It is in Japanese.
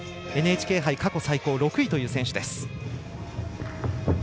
ＮＨＫ杯過去最高６位という選手です。